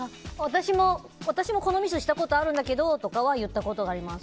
私も、このミスしたことあるんだけどとかは言ったことがあります。